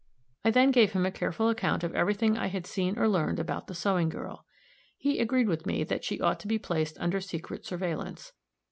I then gave him a careful account of every thing I had seen or learned about the sewing girl. He agreed with me that she ought to be placed under secret surveillance.